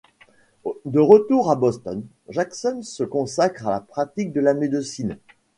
De retour à Boston, Jackson se consacre à la pratique de la médecine.